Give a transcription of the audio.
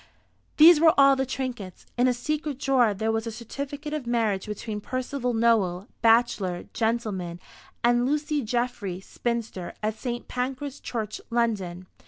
These were all the trinkets. In a secret drawer there was a certificate of marriage between Percival Nowell, bachelor, gentleman, and Lucy Geoffry, spinster, at St. Pancras Church, London.